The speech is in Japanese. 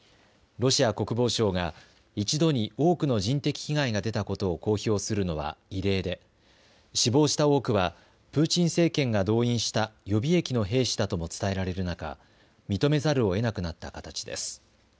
ロシア国防省が一度に多くの人的被害が出たことを公表するのは異例で死亡した多くはプーチン政権が動員した予備役の兵士だとも伝えられる中認めざるをえなくなった形です。